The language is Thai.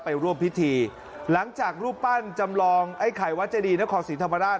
ร่วมพิธีหลังจากรูปปั้นจำลองไอ้ไข่วัดเจดีนครศรีธรรมราช